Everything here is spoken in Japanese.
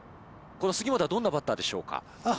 この杉本はどんなバッターでしょうか？